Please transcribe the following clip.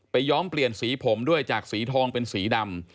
ย้อมเปลี่ยนสีผมด้วยจากสีทองเป็นสีดำ